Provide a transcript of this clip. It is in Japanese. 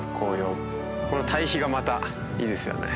この対比がまたいいですよね。